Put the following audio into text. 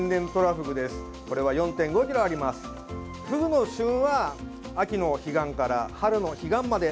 フグの旬は秋の彼岸から春の彼岸まで。